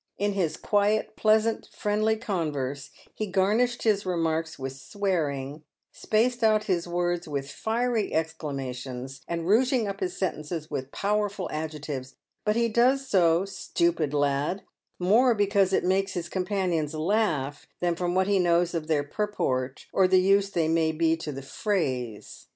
In his quiet, pleasant, friendly converse, he garnished his remarks with swearing, spacing out his words with fiery exclamations, and rougeing up his sentences with powerful adjectives ; but he does so, stupid lad, more because it makes his companions laugh than from what he knows of their purport or the use they may be to the phrase.